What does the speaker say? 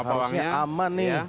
harusnya aman nih